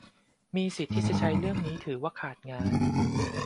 มีสิทธิ์ที่จะใช้เรื่องนี้ถือว่าขาดงาน